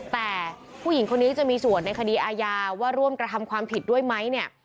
แต่ผู้หญิงคนนี้จะมีส่วนในคดีอาญาว่าร่วมกระทำความผิดด้วยไหมเนี่ย